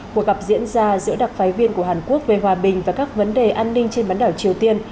cuộc gặp diễn ra giữa đặc phái viên của hàn quốc về hòa bình và các vấn đề an ninh trên bán đảo triều tiên